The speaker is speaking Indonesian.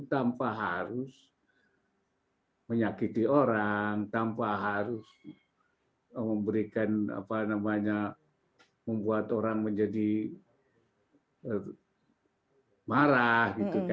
tanpa harus menyakiti orang tanpa harus membuat orang menjadi marah